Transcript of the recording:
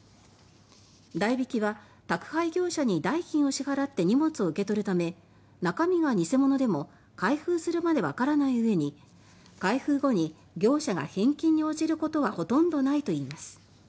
代引きは宅配業者に代金を支払って荷物を受け取るため中身が偽物でも開封するまで分からないうえに開封後に返金に応じることはほとんどないといいます。